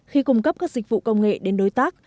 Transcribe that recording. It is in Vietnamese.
khi cung cấp các dịch vụ công nghệ đến đối tác